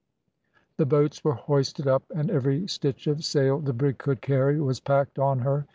The boats were hoisted up, and every stitch of sail the brig could carry was packed on her.